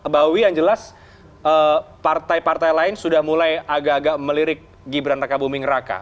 mbak wiwi yang jelas partai partai lain sudah mulai agak agak melirik gibran raka buming raka